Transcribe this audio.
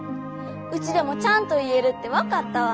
ウチでもちゃんと言えるって分かったわ。